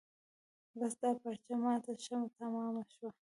بس دا پارچه ما ته ښه تمامه شوه.